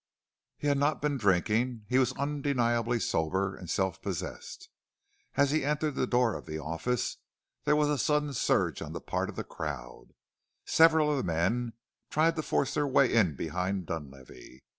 He had not been drinking; he was undeniably sober and self possessed. As he entered the door of the office there was a sudden surge on the part of the crowd several of the men tried to force their way in behind Dunlavey.